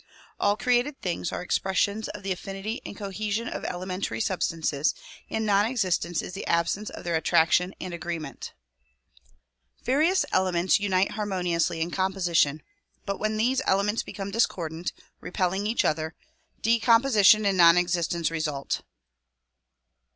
All created things are expressions of the affinity and cohesion of elementary substances, and non existence is the absence of their attraction and agreement. Various elements unite harmoniously in composition but when these elements become discordant, repelling each other, decomposition and non existence result.